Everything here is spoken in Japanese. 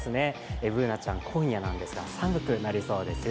Ｂｏｏｎａちゃん、今夜なんですが、寒くなりそうですよ。